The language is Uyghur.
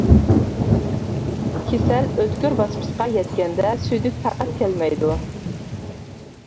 كېسەل ئۆتكۈر باسقۇچقا يەتكەندە سۈيدۈك پەقەت كەلمەيدۇ.